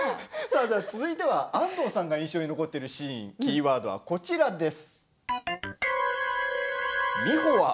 続いては安藤さんが印象に残っているシーンキーワードは、こちらです。